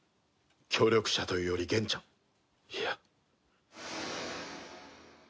協力者というより元ちゃんいや。